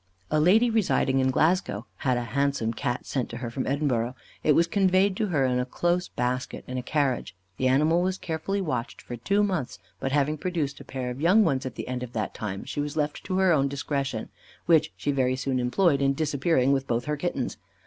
A lady residing in Glasgow had a handsome Cat sent to her from Edinburgh: it was conveyed to her in a close basket in a carriage. The animal was carefully watched for two months; but having produced a pair of young ones at the end of that time, she was left to her own discretion, which she very soon employed in disappearing with both her kittens.